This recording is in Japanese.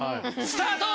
スタート！